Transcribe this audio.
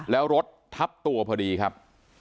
แล้วรถทับตัวพอดีครับ